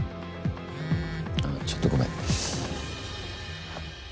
あっちょっとごめん。